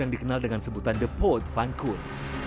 yang dikenal dengan sebutan the port van koon